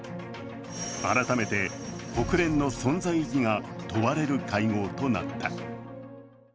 改めて、国連の存在意義が問われる会合となった。